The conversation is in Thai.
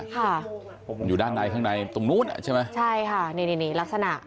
ค่ะอยู่ด้านในข้างในตรงนู้นอ่ะใช่ไหมใช่ค่ะนี่นี่ลักษณะ